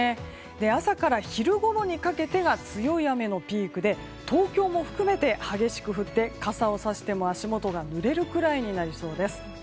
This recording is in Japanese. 朝から昼ごろにかけてが強い雨のピークで東京も含めて激しく降って傘をさしても足元がぬれるくらいになりそうです。